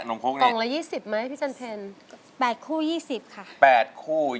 หลังละ๒๐ไหมพี่จันเพลแปดคู่๒๐ค่ะ